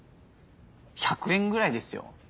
１００円ぐらいですよ。